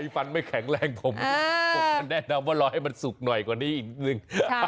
ฟันไม่แข็งแรงผมผมก็แนะนำว่ารอให้มันสุกหน่อยกว่านี้นิดนึง